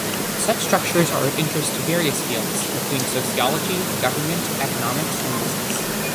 Such structures are of interest to various fields, including sociology, government, economics, and business.